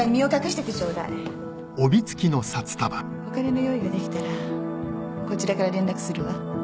お金の用意ができたらこちらから連絡するわ。